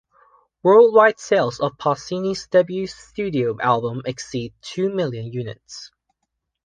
Worldwide sales of Pausini's debut studio album exceed two million units.